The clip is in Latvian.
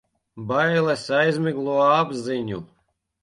Bailes aizmiglo apziņu.